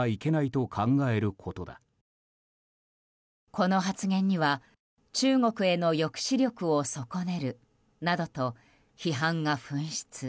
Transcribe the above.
この発言には中国への抑止力を損ねるなどと批判が噴出。